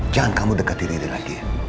jangan kamu dekat diri dia lagi ya